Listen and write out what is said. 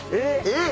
えっ！